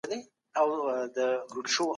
مي لاس وو اچولی